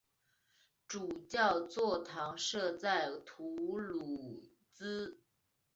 主教座堂设在图卢兹。